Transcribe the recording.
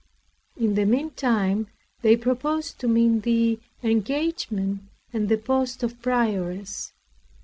In the meantime they proposed to me the engagement, and the post of prioress.